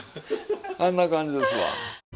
あんな感じですわ。